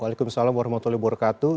waalaikumsalam warahmatullahi wabarakatuh